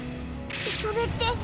それって。